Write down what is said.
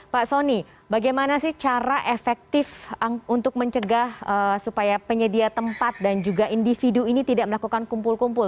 pak soni bagaimana sih cara efektif untuk mencegah supaya penyedia tempat dan juga individu ini tidak melakukan kumpul kumpul